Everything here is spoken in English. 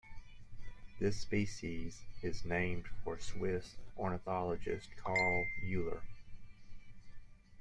This species is named for the Swiss ornithologist Carl Euler.